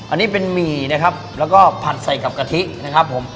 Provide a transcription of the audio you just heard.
อันนี้เป็นหมี่นะครับแล้วก็ผัดใส่กับกะทินะครับผม